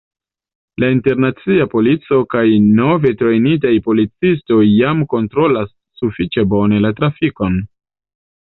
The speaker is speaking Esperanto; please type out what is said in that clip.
La internacia polico kaj nove trejnitaj policistoj jam kontrolas sufiĉe bone la trafikon.